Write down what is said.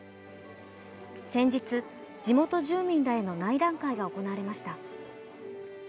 先日、地元住民らへの内覧会が行われました。